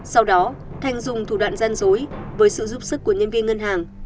sau đó thành dùng thủ đoạn gian dối với sự giúp sức của nhân viên ngân hàng